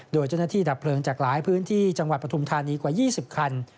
โดยเจ้าหน้าที่ดับเพลิงจากหลายพื้นที่จังหวัดปฐุมธานีกว่า๒๐คัน